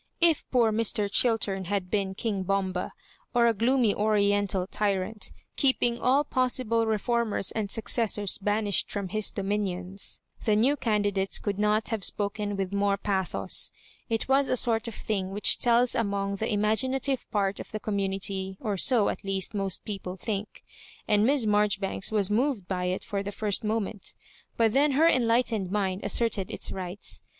If poor old Mr. Chiltern had been King Bomba, or a gloomy Oriental tyrant, keeping all possible reformers and successors banish^ from his dominions, the new candidate could not have spoken with more pathoa It was a sort of thing which tells among the ima ginative part of the community, or so, at least, most people think ; and Miss Marjoribanks was moved by it for the first moment ; but then her enlightened mind asserted its rights.